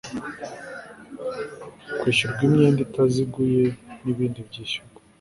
kwishyurwa imyenda itaziguye n ibindi byishyurwa